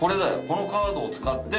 このカードを使って。